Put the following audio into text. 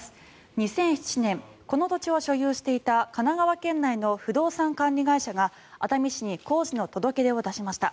２００７年この土地を所有していた神奈川県内の不動産管理会社が熱海市に工事の届け出を出しました。